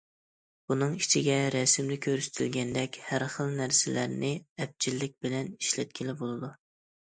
بۇنىڭ ئىچىگە رەسىمدە كۆرسىتىلگەندەك ھەر خىل نەرسىلەرنى ئەپچىللىك بىلەن ئىشلەتكىلى بولىدۇ.